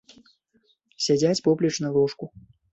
Сядзяць поплеч на ложку.